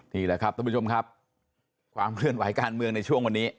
นี่แหละครับท่านผู้ชมครับความเคลื่อนไหวการเมืองในช่วงวันนี้